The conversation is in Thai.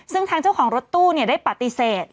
ซึ่งทางเจ้าของรถตู้ได้ปฏิเสธ